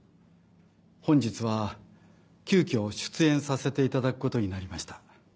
本日は急きょ出演させていただくことになりました。